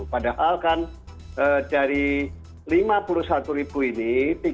padahal kan dari rp lima puluh satu ini